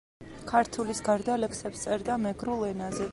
ქართულის გარდა, ლექსებს წერდა მეგრულ ენაზეც.